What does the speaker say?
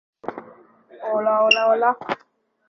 El sistema de juego fue el mismo de las tres temporadas anteriores.